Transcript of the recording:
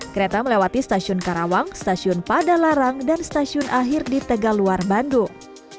kereta melewati stasiun karawang stasiun padalarang dan stasiun akhir di tegaluar bandung